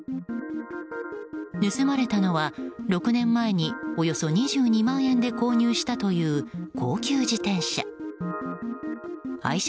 盗まれたのは６年前におよそ２２万円で購入したという高級自転車。